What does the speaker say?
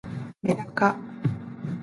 めだか